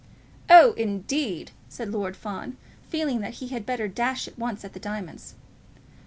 "Oh, indeed," said Lord Fawn, feeling that he had better dash at once at the diamonds.